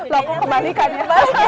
loh kok kebalikan ya